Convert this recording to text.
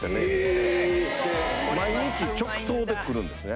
で毎日直送で来るんですね。